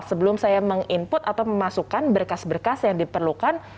sebelum saya meng input atau memasukkan berkas berkas yang diperlukan